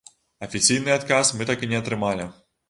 Афіцыйны адказ мы так і не атрымалі.